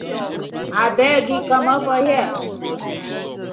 Abeg comot for here.